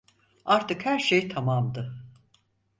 Artık her şey tamamdı.